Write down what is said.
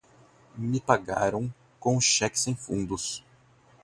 Me pagaram com um cheque sem fundos.